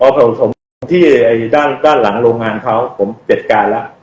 พอเราถมที่ไอด้านด้านหลังโรงงานเขาผมเปลี่ยนการแล้ว